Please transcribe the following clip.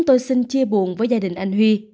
tôi xin chia buồn với gia đình anh huy